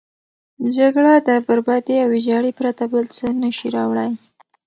جګړه د بربادي او ویجاړي پرته بل څه نه شي راوړی.